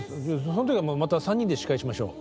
その時はまた３人で司会しましょう。